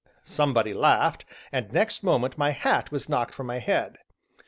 Somebody laughed, and next moment my hat was knocked from my head.